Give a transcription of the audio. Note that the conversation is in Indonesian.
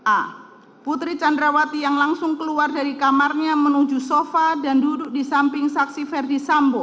a putri candrawati yang langsung keluar dari kamarnya menuju sofa dan duduk di samping saksi ferdi sambo